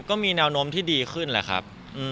ก็มีแนวโน้มที่ดีขึ้นแหละครับ